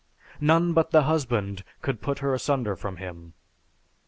None but the husband could put her asunder from him.